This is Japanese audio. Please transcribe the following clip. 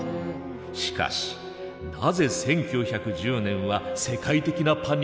しかしなぜ１９１０年は世界的なパニックになったのか？